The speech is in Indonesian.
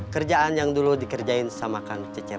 kerjaan yang dulu dikerjain sama kang cecer